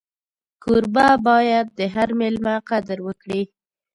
کوربه باید د هر مېلمه قدر وکړي.